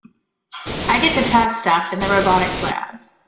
I get to test stuff in the robotics lab.